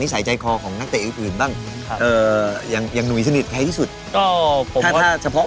นอนกับใครครับ